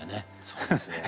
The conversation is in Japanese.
そうですね。